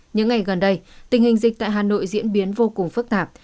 những ngày gần đây tình hình dịch tại hà nội diễn biến vô cùng phức tạp